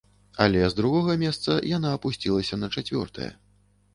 Але з другога месца яна апусцілася на чацвёртае.